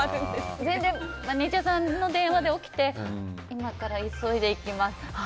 マネジャーの電話で起きて今から急いで行きます。